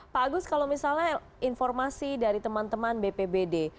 pak agus kalau misalnya informasi dari teman teman bpbd